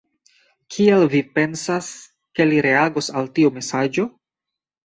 Kiel vi pensas, ke li reagos al tiu mesaĝo?